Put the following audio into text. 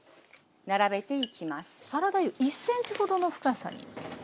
サラダ油１ｃｍほどの深さになっています。